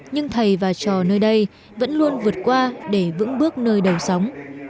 nhưng thầy và trò nơi đây vẫn luôn vượt qua để vững bước nơi đầu sóng